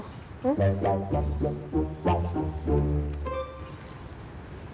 tidak ada apa apa